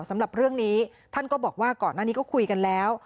สำหรับเรื่องนี้ท่านก็บอกว่าก่อนหน้านี้ก็คุยกันแล้ว